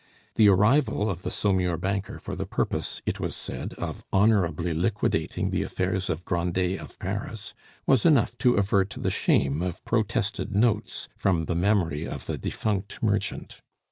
The arrival of the Saumur banker for the purpose, it was said, of honorably liquidating the affairs of Grandet of Paris, was enough to avert the shame of protested notes from the memory of the defunct merchant.